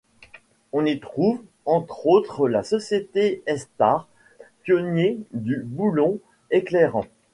On y trouve, entre autres la société Airstar pionnier du boulon éclairant.